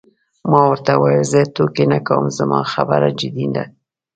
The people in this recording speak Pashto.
ما ورته وویل: زه ټوکې نه کوم، زما خبره جدي ده.